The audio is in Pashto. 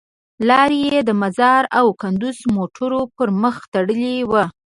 لار یې د مزار او کندوز موټرو پر مخ تړلې وه.